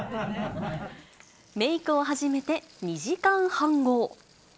メークを始めて２時間半後。